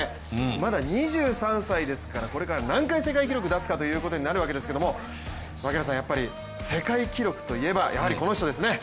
まだ２３歳ですから、これから何回世界記録を出すかということになるわけですけども、やっぱり世界記録といえばやはりこの人ですね。